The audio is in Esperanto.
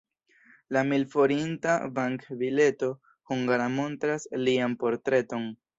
La mil-forinta bank-bileto hungara montras lian portreton.